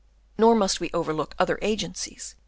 Nor must we overlook other agencies Chap.